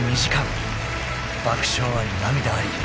［爆笑あり涙あり］